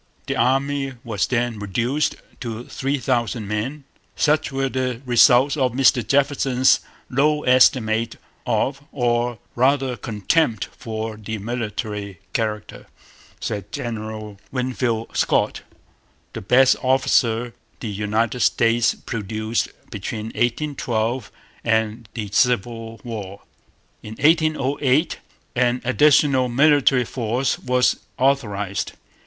The Army was then reduced to three thousand men. 'Such were the results of Mr Jefferson's low estimate of, or rather contempt for, the military character,' said General Winfield Scott, the best officer the United States produced between '1812' and the Civil War. In 1808 'an additional military force' was authorized.